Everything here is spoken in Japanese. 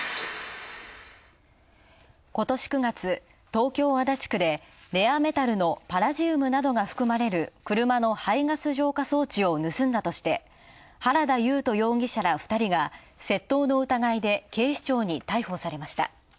ことし９月、東京・足立区でレアメタルのパラジウムなどが含まれる車の排ガス浄化装置を盗んだとして原田優斗容疑者ら２人が窃盗の疑いで警視庁に逮捕されました。